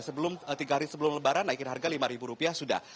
sebelum tiga hari sebelum lebaran naikin harga rp lima sudah